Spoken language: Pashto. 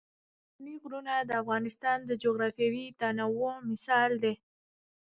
ستوني غرونه د افغانستان د جغرافیوي تنوع مثال دی.